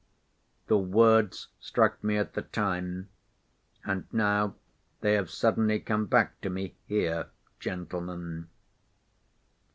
The words struck me at the time, and now they have suddenly come back to me here, gentlemen."